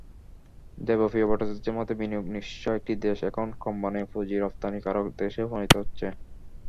দেবপ্রিয় ভট্টাচার্যের মতে, বিনিয়োগ-নিঃস্ব একটি দেশ এখন ক্রমান্বয়ে পুঁজি রপ্তানিকারক দেশে পরিণত হচ্ছে।